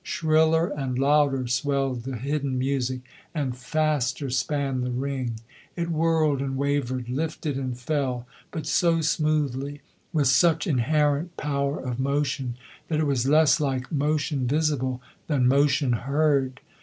Shriller and louder swelled the hidden music, and faster span the ring. It whirled and wavered, lifted and fell, but so smoothly, with such inherent power of motion, that it was less like motion visible than motion heard.